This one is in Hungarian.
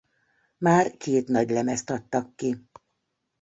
Már két nagylemezt adtak ki.